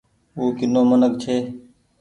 او ڪينو منک ڇي۔